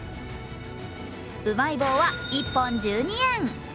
うまい棒は１本１２円。